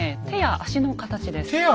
手や足の形です。